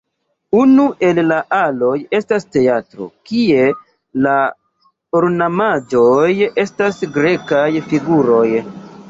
Unu el la aloj estas teatro, kie la ornamaĵoj estas grekaj figuroj.